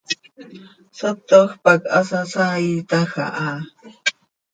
Satoj pac hasasaiitaj aha.